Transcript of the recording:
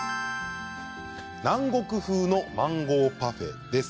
南国風のマンゴーパフェです。